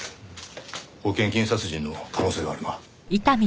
保険金殺人の可能性があるな。